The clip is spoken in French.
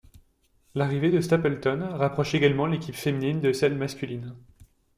L'arrivée de Stapleton rapproche également l'équipe féminine de celle masculine.